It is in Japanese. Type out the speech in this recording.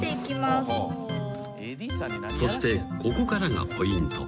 ［そしてここからがポイント］